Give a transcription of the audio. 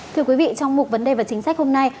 thưa quý vị trong mục vấn đề và chính sách hôm nay